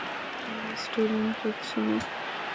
আমি স্টুডেন্ট খুঁজছি না।